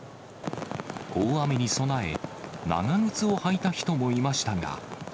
大雨に備え、長靴を履いた人もいましたが。